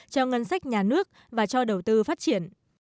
cho ngân sách nhà nước và cho đầu tư phát triển